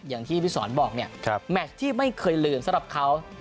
อย่างที่พี่สอนบอกเนี่ยแมชที่ไม่เคยลืมสำหรับเขา